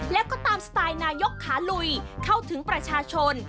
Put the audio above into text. แล้วก็ตามสไตล์นายกขาลุยเข้าถึงประชาชน